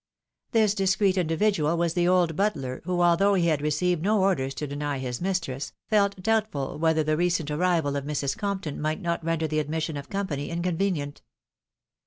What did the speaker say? " This discreet individual was the old butler, who, although he had received no orders to deny his mistress, felt doubtful whether the recent arrival of Mrs. Compton might not render the admis sion of company inconvenient.